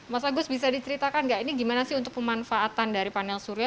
mas agus bisa diceritakan nggak ini gimana sih untuk pemanfaatan dari panel surya